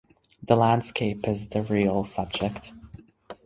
The landscape is the real subject.